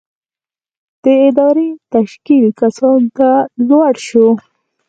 د ادارې تشکیل کسانو ته لوړ شو.